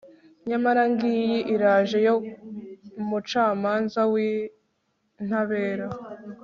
nyamara ngiyi iraje, yo mucamanza w'intabera